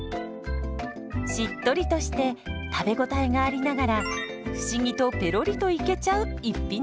しっとりとして食べ応えがありながら不思議とペロリといけちゃう逸品です。